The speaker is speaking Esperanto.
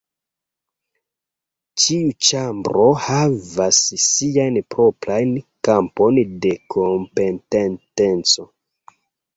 Ĉiu ĉambro havas siajn proprajn kampon de kompetenteco.